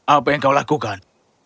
apa yang kau lakukan